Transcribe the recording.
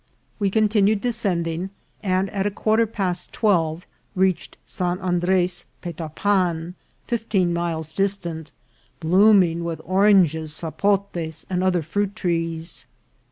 We continued de scending, and at a quarter past twelve reached San Andres Petapan, fifteen miles distant, blooming with oranges, sapotes, and other fruit trees.